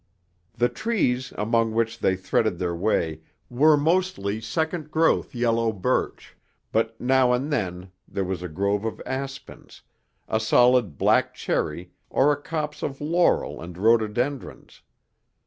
The trees among which they threaded their way were mostly second growth yellow birch but now and then there was a grove of aspens, a solitary black cherry or a copse of laurel and rhododendrons.